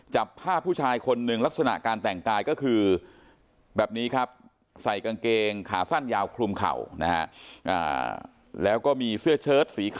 จับผ้าผู้ชายคนหนึ่งลักษณะการแต่งกลายก็คือ